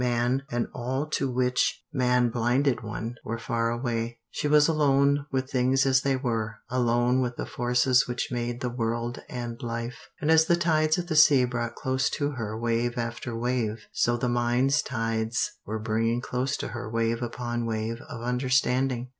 Man, and all to which man blinded one, were far away. She was alone with things as they were, alone with the forces which made the world and life, and as the tides of the sea brought close to her wave after wave, so the mind's tides were bringing close to her wave upon wave of understanding.